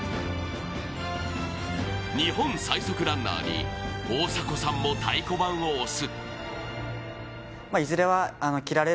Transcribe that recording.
日本最速ランナーに大迫さんも太鼓判を押す。